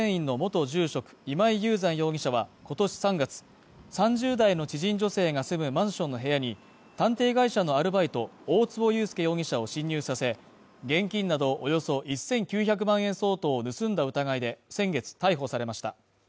渋谷区の霊泉院の元住職今井雄山容疑者は今年３月３０代の知人女性が住むマンションの部屋に探偵会社のアルバイト大坪裕介容疑者を侵入させ現金などおよそ１９００万円相当を盗んだ疑いで先月逮捕されました。